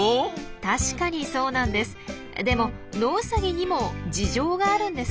確かにそうなんです。